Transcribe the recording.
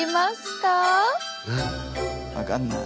分かんない。